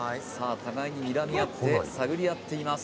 互いににらみあって探り合っています